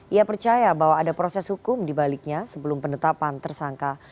ia percaya bahwa ada proses hukum dibaliknya sebelum penetapan tersangka